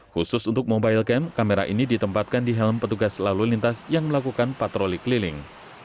khusus untuk mobile camp kamera ini ditempatkan di helm petugas lalu lintas yang melakukan patroli keliling